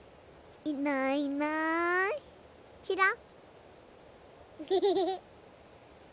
いないいないちらっ。